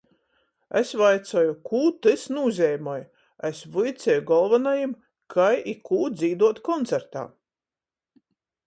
Es vaicoju: "Kū tys nūzeimoj?" Es vuiceju golvonajim, kai i kū dzīduot koncertā!